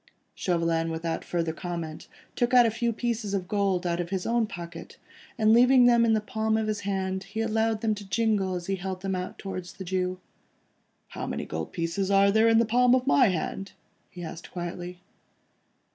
Chauvelin without further comment took a few pieces of gold out of his own pocket, and leaving them in the palm of his hand, he allowed them to jingle as he held them out towards the Jew. "How many gold pieces are there in the palm of my hand?" he asked quietly.